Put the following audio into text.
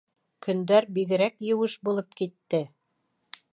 Көндәр бигерәк еүеш булып китте.